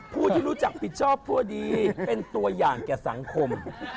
ผู้ที่รู้จักผิดชอบทั่วดีเป็นตัวอย่างแก่สังคม